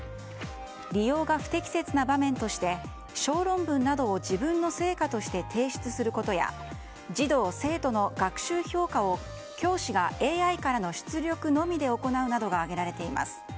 利用が不適切な場面として小論文などを自分の成果として提出することや児童生徒の学習評価を教師がＡＩからの出力のみで行うなどが挙げられています。